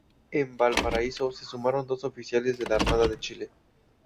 En Valparaíso, se sumaron dos oficiales de la Armada de Chile.